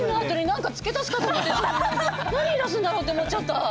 何言いだすんだろうって思っちゃった。